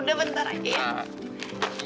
sekarang aku harus kerja